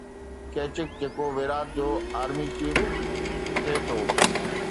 ڪيچڪ جيڪو ويرات جو army chief ٿي ٿو